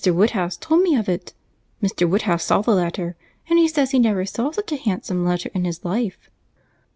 Woodhouse told me of it. Mr. Woodhouse saw the letter, and he says he never saw such a handsome letter in his life."